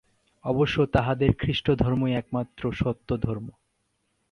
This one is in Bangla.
অবশ্য তাঁহাদের খ্রীষ্টধর্মই একমাত্র সত্য ধর্ম।